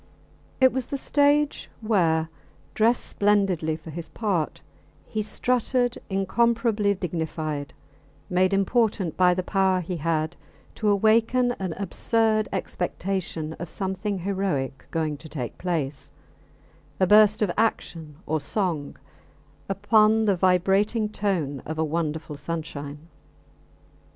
It was the stage where, dressed splendidly for his part, he strutted, incomparably dignified, made important by the power he had to awaken an absurd expectation of something heroic going to take place a burst of action or song upon the vibrating tone of a wonderful sunshine.